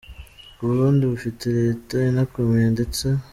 U Burundi bufite leta inakomeye ndetse.